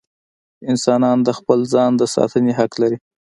انسانان د خپل ځان د ساتنې حق لري.